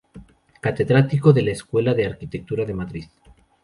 Catedrático de la Escuela de Arquitectura de Madrid.